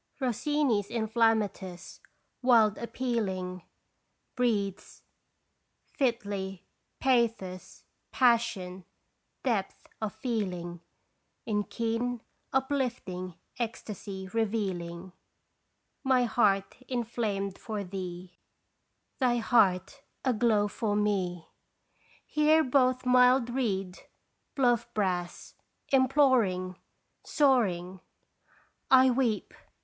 152 & Gracious bisitction. Rossini's Inflammatus , wild appealing, Breathes, fitly, pathos, passion, depth of feeling, In keen, uplifting ecstasy revealing My heart inflamed for thee, Thy heart aglow for me ! Hear both mild reed, bluff brass, imploring, soaring, "I weep!